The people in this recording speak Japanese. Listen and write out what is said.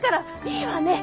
いいわね。